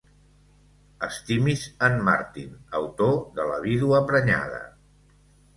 Estimis en Martin, autor de La vídua prenyada.